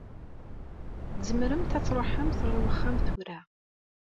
Tzemremt ad tṛuḥemt ar wexxam tura.